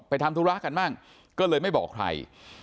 ทำธุระกันบ้างก็เลยไม่บอกใคร